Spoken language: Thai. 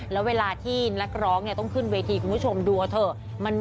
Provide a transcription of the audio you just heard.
แล้วเวลาที่นักร้องต้องขึ้นเวทีคุณผู้ชมดูเอาเถอะ